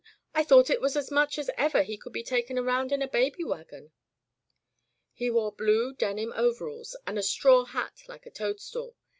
I thought it was as much as ever he could be taken around in a baby wagon!" He wore blue denim overalls and a straw hat like a toadstool.